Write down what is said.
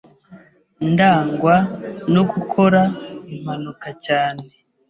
ndangwa no gukora impanuka cyane